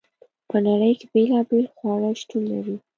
په نړۍ کې بیلابیل خواړه شتون لري.